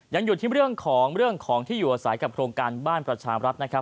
ยังอยู่ที่เรื่องของเรื่องของที่อยู่อาศัยกับโครงการบ้านประชามรัฐนะครับ